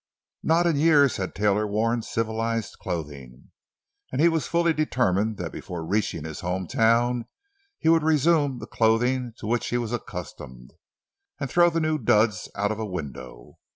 Not in years had Taylor worn civilized clothing, and he was fully determined that before reaching his home town he would resume the clothing to which he was accustomed—and throw the new duds out of a window.